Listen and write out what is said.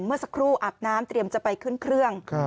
เมื่อสักครู่อาบน้ำเตรียมจะไปขึ้นเครื่อง